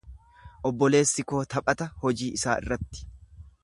Obboleessi koo taphata hojii isaa irratti.